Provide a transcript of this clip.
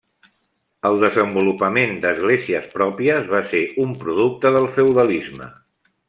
El desenvolupament d'esglésies pròpies va ser un producte del feudalisme.